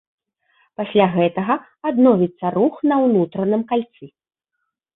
Пасля гэтага адновіцца рух на ўнутраным кальцы.